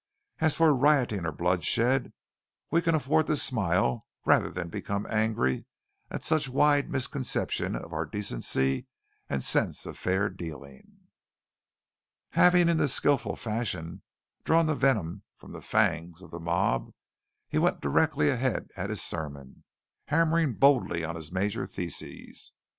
And as for rioting or bloodshed, we can afford to smile rather than become angry at such wide misconception of our decency and sense of fair dealing." Having in this skilful fashion drawn the venom from the fangs of the mob, he went directly ahead at his sermon, hammering boldly on his major thesis.